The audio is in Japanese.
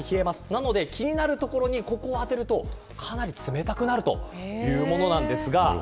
なので、気になるところにここ当てると、かなり冷たくなるというものなんです。